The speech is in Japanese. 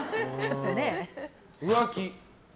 浮気。